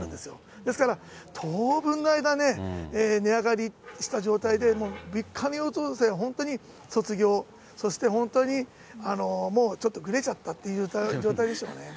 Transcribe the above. ですから、当分の間ね、値上がりした状態で、物価の優等生卒業、そして本当にちょっとぐれちゃったっていう状態ですかね。